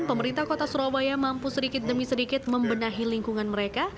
pemerintah kota surabaya mampu sedikit demi sedikit membenahi lingkungan mereka